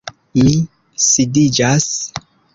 Mi sidiĝas.